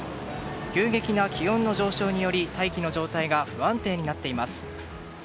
急激な気温の上昇により大気の状態が不安定になっています。